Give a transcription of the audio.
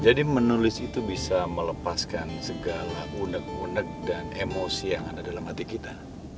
jadi menulis itu bisa melepaskan segala uneg uneg dan emosi yang ada dalam hati kita